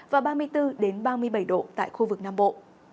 và ba mươi bốn ba mươi bảy độ tại khu vực nam bộ